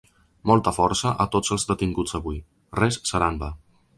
Molta força a tots els detinguts avui, res serà en va!